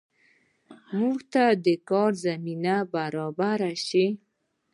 موږ ته د کار زمینه برابره شي